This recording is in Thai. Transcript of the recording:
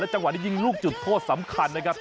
จังหวะนี้ยิงลูกจุดโทษสำคัญนะครับ